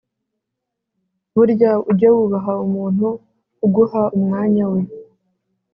Burya ujye wubaha umuntu uguha umwanya we